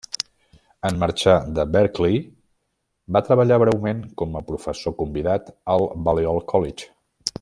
En marxar de Berkeley, va treballar breument com a professor convidat al Balliol College.